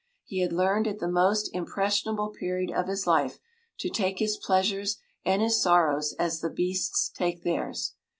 He had learned at the most impressionable period of his life to take his pleasures and his sorrows as the beasts take theirs.